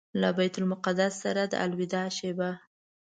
له بیت المقدس سره د الوداع شېبه.